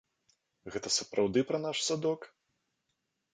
Гэта сапраўды пра наш садок?